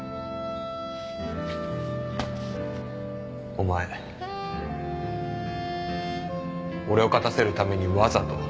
お前俺を勝たせるためにわざと。